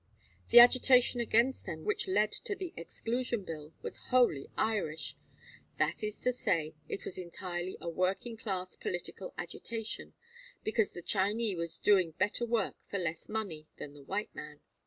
The agitation against them which led to the exclusion bill was wholly Irish; that is to say it was entirely a working class political agitation, because the Chinee was doing better work for less money than the white man.